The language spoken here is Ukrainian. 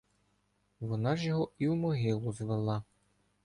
Вона ж його і в могилу звела.